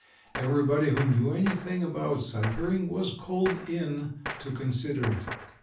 Everybody who knew anything about ciphering was called in to consider it.